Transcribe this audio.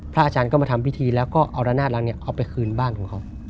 อาจารย์ก็มาทำพิธีแล้วก็เอาระนาดรังเนี่ยเอาไปคืนบ้านของเขา